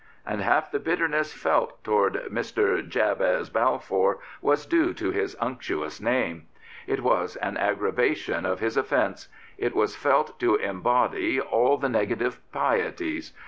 And half the bitterness felt towards Mr. Jabez Bdfour was due to his unctuous name. It was an aggrava tion of his offence. It was felt to embody all the negative pieties.